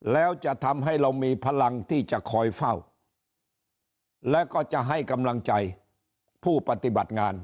แล้วจะทำให้เรามีพลังที่จะคอยเฝ้าแล้วก็จะให้กำลังใจผู้ปฏิบัติงาน